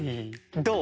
どう？